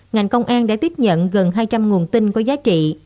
ngành công an đã tiếp nhận gần hai trăm linh nguồn tin có giá trị